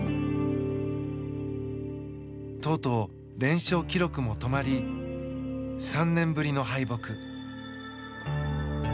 とうとう連勝記録も止まり３年ぶりの敗北。